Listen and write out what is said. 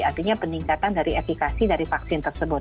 artinya peningkatan dari efikasi dari vaksin tersebut